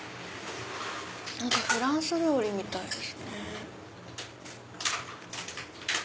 何かフランス料理みたいですね。